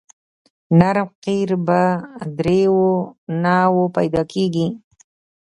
نرم قیر په دریو نوعو پیدا کیږي